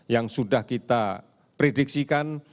yang sudah kita prediksikan